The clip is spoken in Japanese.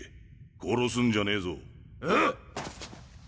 殺すんじゃねえぞ。